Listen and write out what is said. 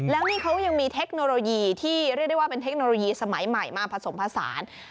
แล้วนี่เขายังมีเทคโนโลยีที่เรียกได้ว่าเป็นเทคโนโลยีสมัยใหม่มาผสมผสาน